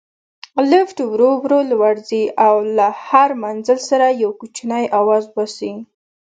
لفټ ورو ورو لوړ ځي او له هر منزل سره یو کوچنی اواز باسي.